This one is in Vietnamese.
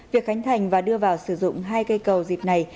việc khánh thành và đưa vào sử dụng hai cây cầu dịp này